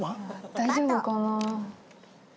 大丈夫かな？